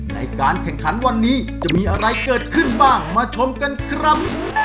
ในการแข่งขันวันนี้จะมีอะไรเกิดขึ้นบ้างมาชมกันครับ